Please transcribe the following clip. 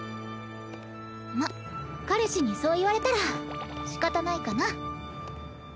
まっ彼氏にそう言われたらしかたないかな。